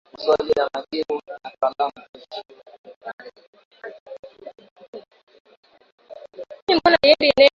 Uliotokea mwishoni mwa Februari, iliyopelekea kuvuruga mtiririko wa usambazaji mafuta duniani na kupanda kwa gharama kote duniani.